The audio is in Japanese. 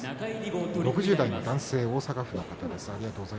６０代の男性、大阪の方です。